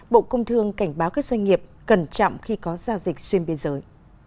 bộ công thương cảnh báo các doanh nghiệp cẩn trọng khi có giao dịch xuyên biên giới